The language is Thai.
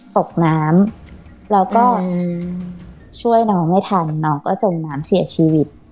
ตกน้ำแล้วก็ช่วยน้องไม่ทันน้องก็จมน้ำเสียชีวิต